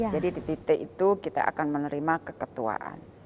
jadi di titik itu kita akan menerima keketuaan